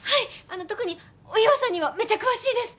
あの特にお岩さんにはめちゃ詳しいです。